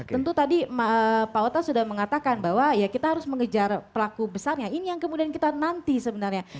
tentu tadi pak ota sudah mengatakan bahwa ya kita harus mengejar pelaku besarnya ini yang kemudian kita nanti sebenarnya